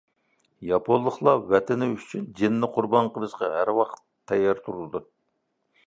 ياپونلۇقلار ۋەتىنى ئۈچۈن جېنىنى قۇربان قىلىشقا ھەر ۋاقىت تەييار تۇرىدۇ.